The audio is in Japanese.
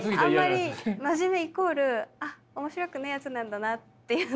あんまり真面目イコールあっ面白くねえやつなんだなっていうのに。